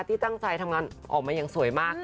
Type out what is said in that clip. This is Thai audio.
ที่ตั้งใจทำงานออกมาอย่างสวยมาก